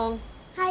はい。